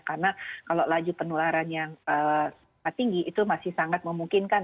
karena kalau laju penularan yang tinggi itu masih sangat memungkinkan